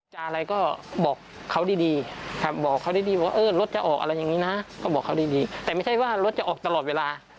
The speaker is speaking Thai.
อะไรก็บอกเขาดีบอกเขาดีว่าเออรถจะออกอะไรอย่างนี้นะก็บอกเขาดีแต่ไม่ใช่ว่ารถจะออกตลอดเวลา